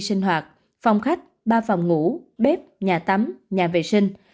sinh hoạt phòng khách ba phòng ngủ bếp nhà tắm nhà vệ sinh